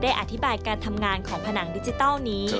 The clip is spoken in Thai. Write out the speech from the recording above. อธิบายการทำงานของผนังดิจิทัลนี้